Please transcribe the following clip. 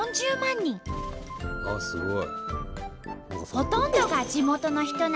あっすごい。